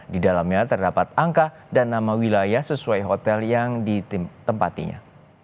di dalamnya terdapat angka dan nama wilayah sesuai hotel yang ditempatinya